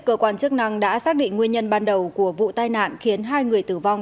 cơ quan chức năng đã xác định nguyên nhân ban đầu của vụ tai nạn khiến hai người tử vong